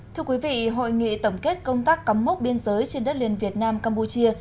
thưa quý vị hội nghị tổng kết công tác cắm mốc biên giới trên đất liền việt nam campuchia